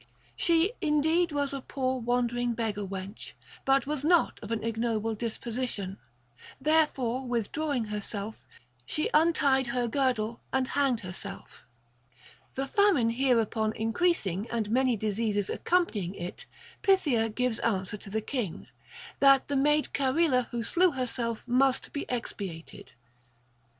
She indeed was a poor wandering beggar wench, but was not of an ignoble disposition ; therefore withdrawing herself, she untied her girdle and hanged herself. The famine hereupon increasing and many diseases accompanying it, Pythia gives answer to the king, that the maid Charila who slew herself must be expiated.